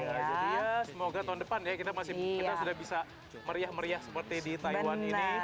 jadi ya semoga tahun depan kita sudah bisa meriah meriah seperti di taiwan ini